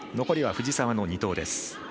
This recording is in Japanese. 残りは藤澤の２投です。